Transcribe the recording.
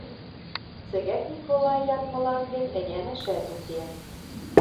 Цӹгӓк Миколай ядмылан гӹнь ӹнянӓшӓт уке.